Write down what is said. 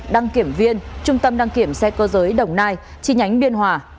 đăng kiểm viên trung tâm đăng kiểm xe cơ giới đồng nai chi nhánh biên hòa